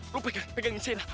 lo pegang pegangin saya lah